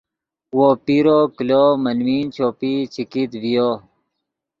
وو پیرو کلو ملمین چوپئی چے کیت ڤیو